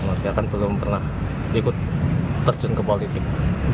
mereka kan belum pernah ikut terjun ke politik